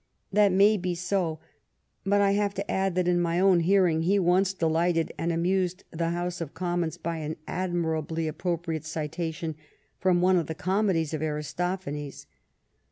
That may be so, but I have to add that in my own hearing he once delighted and amused the House of Commons by an admirably appropriate citation from one of the comedies of Aristophanes.